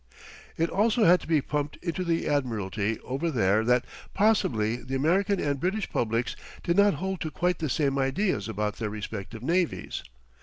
It also had to be pumped into the admiralty over there that possibly the American and British publics did not hold to quite the same ideas about their respective navies.